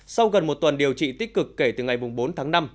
sau gần một tuần điều trị tích cực kể từ ngày bốn tháng năm